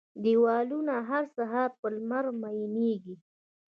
دیوالونه، هر سهار په لمر میینیږې